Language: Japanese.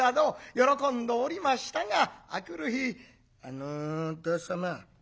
喜んでおりましたが明くる日「あの旦様。